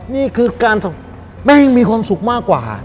นี่คือการส่งแม่งมีความสุขมากกว่าค่ะ